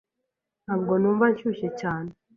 Ntabwo numva nshyushye cyane.